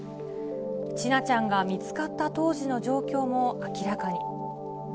千奈ちゃんが見つかった当時の状況も明らかに。